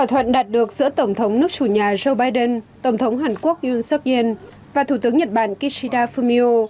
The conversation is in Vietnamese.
thỏa thuận đạt được giữa tổng thống nước chủ nhà joe biden tổng thống hàn quốc yun suk in và thủ tướng nhật bản kishida fumio